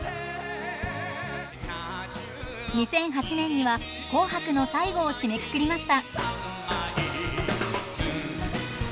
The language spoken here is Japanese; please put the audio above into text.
２００８年には「紅白」の最後を締めくくりました。